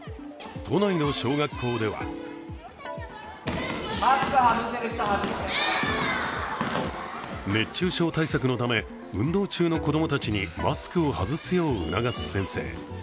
都内の小学校では熱中症対策のため運動中の子供たちにマスクを外すよう促す先生。